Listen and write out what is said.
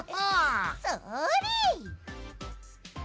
それ！